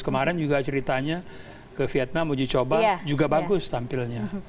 kemarin juga ceritanya ke vietnam uji coba juga bagus tampilnya